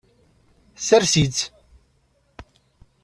Sers-itt.